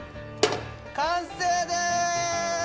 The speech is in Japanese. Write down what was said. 完成です！